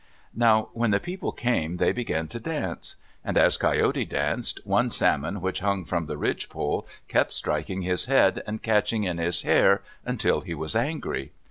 Now when the people came they began to dance. And as Coyote danced, one salmon which hung from the ridge pole kept striking his head and catching in his hair until he was angry.